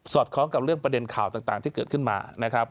คล้องกับเรื่องประเด็นข่าวต่างที่เกิดขึ้นมานะครับ